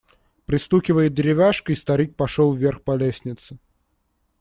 Пристукивая деревяшкой, старик пошел вверх по лестнице.